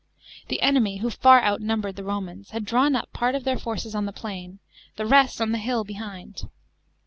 The enemy, who far outnuml>ere<l the Romans, had drawn up part of their forces on the plain, the rest on the hill hehind.